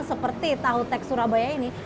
seperti tahu tek surabaya ini